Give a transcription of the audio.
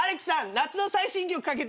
夏の最新曲かけてよ。